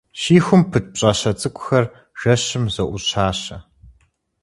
Щихум пыт пщӏащэ цӏыкӏухэр жэщым зоӏущащэ.